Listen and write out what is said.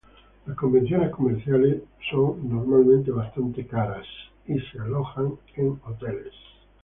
Las convenciones comerciales son usualmente bastante cara y son alojadas en hoteles.